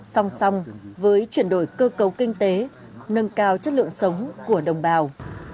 song song với chuyển đổi cơ cấu kinh tế nâng cao chất lượng sống của đồng bào